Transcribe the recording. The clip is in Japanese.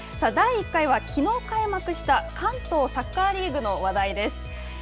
第１回はきのう開幕した関東サッカーリーグの話題です。